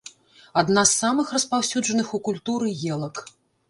Адна з самых распаўсюджаных у культуры елак.